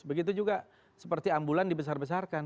begitu juga seperti ambulan dibesar besarkan